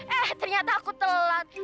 eh ternyata aku telat